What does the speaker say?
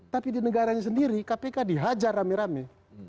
tapi di negaranya sendiri kpk dihajar rame rame